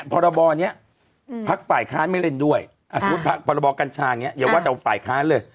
วันนี้ปรบนี้ภาคฝ่ายค้านไม่เล่นด้วยอ่ะสมมติปรบกัญชาเนี้ยอย่าว่าจะเอาฝ่ายค้านเลย